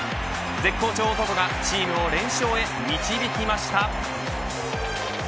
絶好調男がチームを連勝へ導きました。